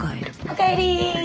お帰り！